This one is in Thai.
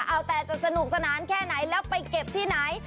เอาแต่จะสนุกสนานแค่ไหนแล้วไปเก็บที่ไหน